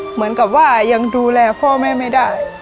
เหมือนกับว่ายังดูแลพ่อแม่ไม่ได้